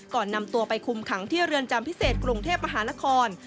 ก่อนนำตัวไปคุมขังที่เรือนจำพิเศษกรุงเทพมหานคร